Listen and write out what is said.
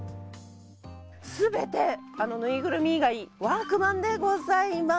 全て縫いぐるみ以外、ワークマンでございます。